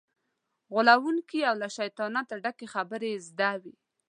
غولونکې او له شیطانت ډکې خبرې یې زده وي.